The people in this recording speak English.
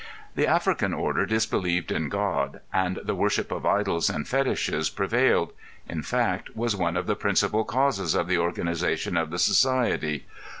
The African order disbelieved in God and the worship of idols and fetiches prevailed: in fact was one of the principal causes of the organization of the society.